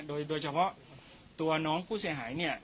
โดยเฉพาะตัวน้องผู้เสียหายเนี่ย